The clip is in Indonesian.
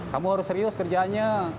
kamu harus serius kerjaannya